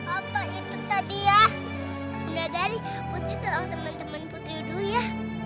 apa itu tadi ya benar dari putri teman teman putri dulu ya